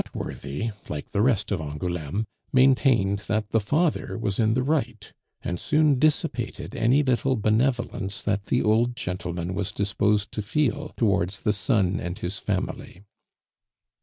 That worthy, like the rest of Angouleme, maintained that the father was in the right, and soon dissipated any little benevolence that the old gentleman was disposed to feel towards the son and his family.